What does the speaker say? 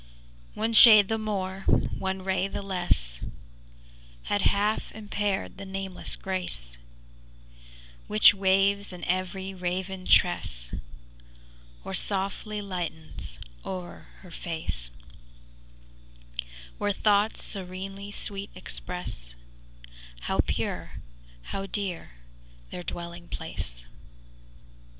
One shade the more, one ray the less, Had half impaired the nameless graceWhich waves in every raven tress, Or softly lightens o'er her face; Where thoughts serenely sweet expressHow pure, how dear their dwelling place.